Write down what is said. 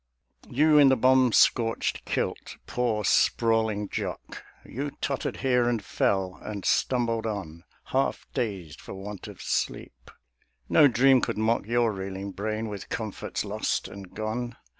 You in the bomb scorched kilt, poor sprawling Jock, You tottered here and fell, and stumbled on, Half dazed for want of sleep. No dream could mock Your reeling brain with comforts lost and gone.